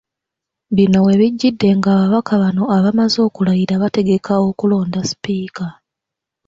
Bino webijjidde nga ababaka bano abamaze okulayira bategeka okulonda Sipiika